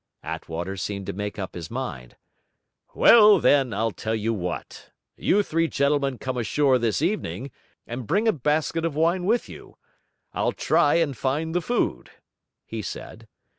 Attwater seemed to make up his mind. 'Well then, I'll tell you what: you three gentlemen come ashore this evening and bring a basket of wine with you; I'll try and find the food,' he said.